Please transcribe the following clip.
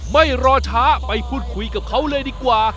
ไม่รอช้าไปพูดคุยกับเขาเลยดีกว่า